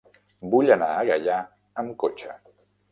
Vull anar a Gaià amb cotxe.